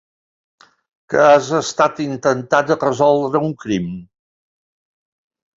Que has estat intentant resoldre un crim?